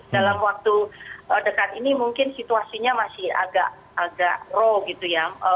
dalam waktu dekat ini mungkin situasinya masih agak row gitu ya